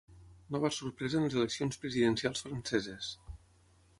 Nova sorpresa en les eleccions presidencials franceses.